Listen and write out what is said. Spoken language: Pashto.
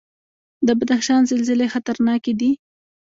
د بدخشان زلزلې خطرناکې دي